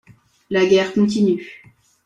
La guerre continue.